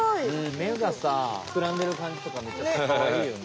めがさふくらんでるかんじとかめっちゃかわいいよね。